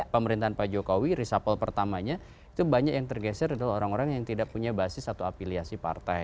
pemerintahan pak jokowi reshuffle pertamanya itu banyak yang tergeser adalah orang orang yang tidak punya basis atau afiliasi partai